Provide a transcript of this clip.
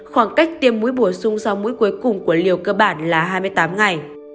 khoảng cách tiêm mũi bổ sung sau mũi cuối cùng của liều cơ bản là hai mươi tám ngày